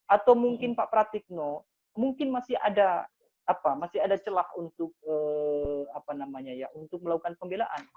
atau mungkin pak pratikno mungkin masih ada celah untuk melakukan pembelaan